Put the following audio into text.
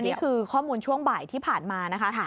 นี่คือข้อมูลช่วงบ่ายที่ผ่านมานะคะ